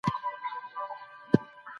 سازمانونه څنګه فردي ازادۍ ته وده ورکوي؟